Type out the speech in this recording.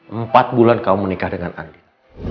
empat bulan kamu menikah dengan andi